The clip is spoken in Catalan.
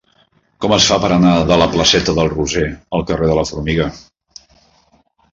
Com es fa per anar de la placeta del Roser al carrer de la Formiga?